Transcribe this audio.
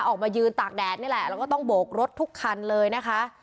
ออกมายืนตากแดดนี่แหละแล้วก็ต้องโบกรถทุกคันเลยนะคะ